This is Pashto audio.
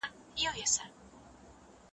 ځوانانو د سياسي حقونو لپاره اوږدي مبارزې وکړې.